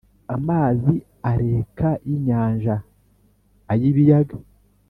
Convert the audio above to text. Amazi areka y inyanja ay ibiyaga